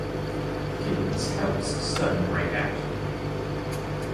Gibbons helps Stone break out.